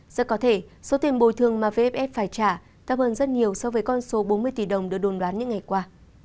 rất có thể số tiền bồi thương mà vff phải trả thấp hơn rất nhiều so với con số bốn mươi tỷ đồng được đồn đoán những ngày qua